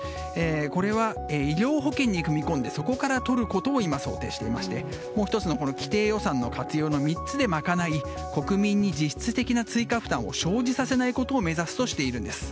これは、医療保険に組み込んでそこからとることを今、想定していましてもう１つの既定予算の活用の３つで賄い国民に実質的な追加負担を生じさせないことを目指すとしているんです。